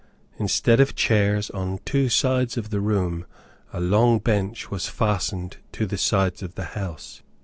Instead of chairs, on two sides of the room a long bench was fastened to the sides of the house.